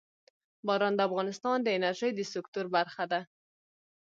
باران د افغانستان د انرژۍ د سکتور برخه ده.